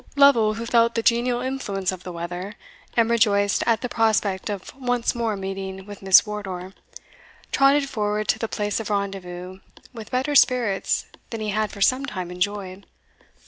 Lovel, who felt the genial influence of the weather, and rejoiced at the prospect of once more meeting with Miss Wardour, trotted forward to the place of rendezvous with better spirits than he had for some time enjoyed.